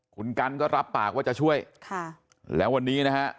คุณกันก็รับปากว่าจะช่วยค่ะแล้ววันนี้นะฮะ